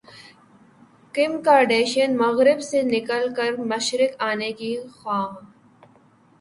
کم Kardashian مغرب سے نکل کر مشرق انے کی خواہاں